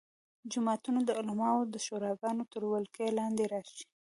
جوماتونه د عالمانو شوراګانو تر ولکې لاندې راشي.